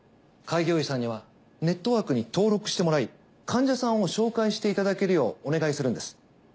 開業医さんにはネットワークに登録してもらい患者さんを紹介していただけるようお願いするんです。